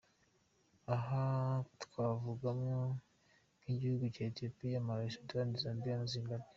Aha twavugamo nk’igihugu cya Ethiopia, Malawi, Sudan, Zambia na Zimbabwe.